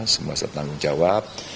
semua setanggung jawa